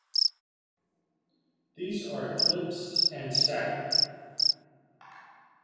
These are eclipsed and staggered.